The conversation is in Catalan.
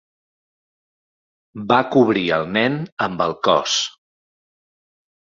Va cobrir el nen amb el cos.